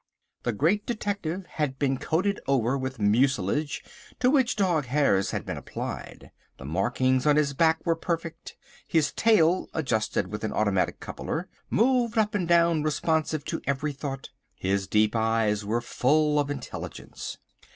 The Great Detective had been coated over with mucilage to which dog hairs had been applied. The markings on his back were perfect. His tail, adjusted with an automatic coupler, moved up and down responsive to every thought. His deep eyes were full of intelligence.